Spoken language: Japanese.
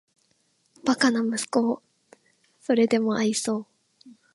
バカな息子をーーーーそれでも愛そう・・・